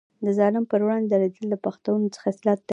د ظالم پر وړاندې دریدل د پښتون خصلت دی.